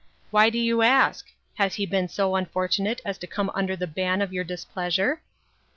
Why do you ask ? Has he been so un fortunate as to come under the ban of your displeasure